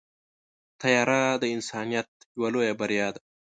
طیاره د انسانیت یوه لویه بریا ده.